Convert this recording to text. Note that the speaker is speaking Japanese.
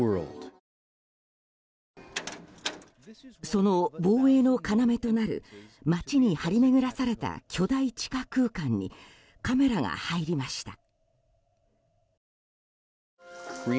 その防衛の要となる街に張り巡らされた巨大地下空間にカメラが入りました。